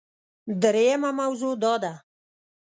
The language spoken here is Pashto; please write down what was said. دریمه موضوع دا ده